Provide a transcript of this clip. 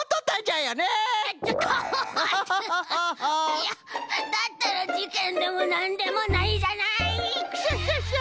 いやだったらじけんでもなんでもないじゃない！クシャシャシャ！